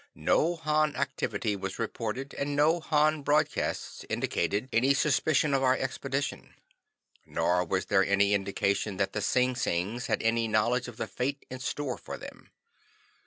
No Han activity was reported, and no Han broadcasts indicated any suspicion of our expedition. Nor was there any indication that the Sinsings had any knowledge of the fate in store for them.